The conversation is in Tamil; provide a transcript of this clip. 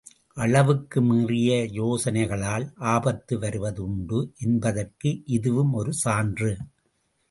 அளவுக்கு மீறிய யோசனைகளால் ஆபத்து வருவது உண்டு —என்பதற்கு இதுவும் ஒரு சான்று.